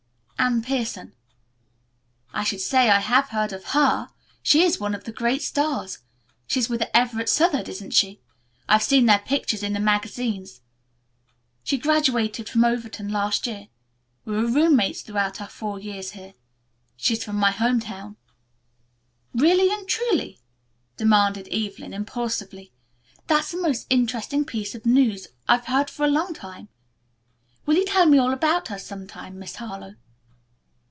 "Anne Pierson." "I should say I had heard of her. She is one of the great stars. She is with Everett Southard, isn't she? I've seen their pictures in the magazines." "She graduated from Overton last year. We were roommates throughout our four years here. She is from my home town." "Really and truly?" demanded Evelyn impulsively. "That's the most interesting piece of news I've heard for a long time. Will you tell me all about her some time, Miss Harlowe?"